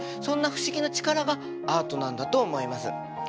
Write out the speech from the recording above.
そんな不思議な力がアートなんだと思います。